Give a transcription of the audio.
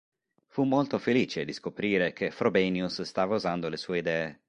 Fu molto felice di scoprire che Frobenius stava usando le sue idee.